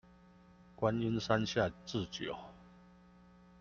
觀音山下智久